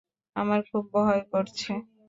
আমার খুব ভয় করছে।